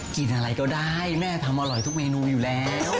กินอะไรก็ได้แม่ทำอร่อยทุกเมนูอยู่แล้ว